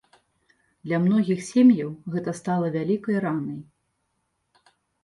Для многіх сем'яў гэта стала вялікай ранай.